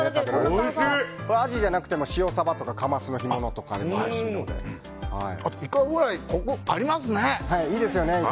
アジじゃなくても塩サバとかカマスの干物とかでもイカフライ、コクがありますね。